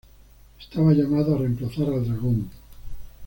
Estaba llamado a reemplazar al Dragon.